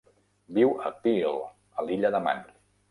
Viu a Peel, a l'illa de Man.